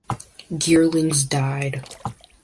Geerlings died.